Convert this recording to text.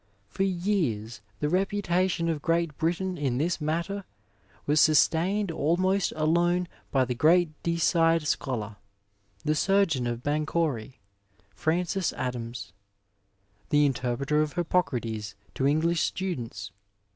For years the reputation of Great Britain in this matter was sustained almost alone by the great Dee side scholar, the surgeon of Banchory, Francis Adams — ^the interpreter of Hippocrates to English students.